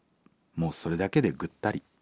もうそれだけでぐったり。